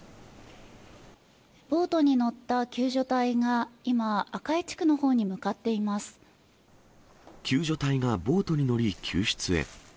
ボートに乗った救助隊が今、救助隊がボートに乗り救出へ。